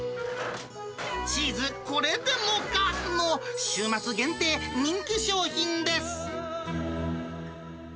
チーズこれでもかの、週末限定、人気商品です。